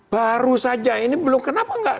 baru saja ini belum kenapa enggak